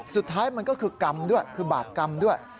สุดท้ายมันก็คือกรรมด้วยคือบาปกรรมด้วย